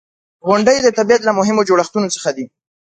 • غونډۍ د طبیعت له مهمو جوړښتونو څخه دي.